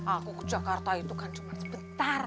aku ke jakarta itu kan cuma sebentar